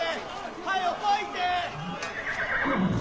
はよ来いて！